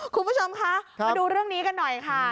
คุณผู้ชมคะมาดูเรื่องนี้กันหน่อยค่ะ